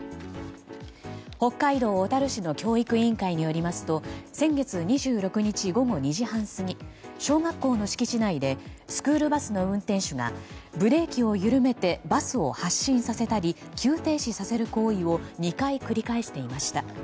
北海道小樽市の教育委員会によりますと先月２６日午後２時半過ぎ小学校の敷地内でスクールバスの運転手がブレーキを緩めてバスを発進させたり急停止させる行為を２回繰り返していました。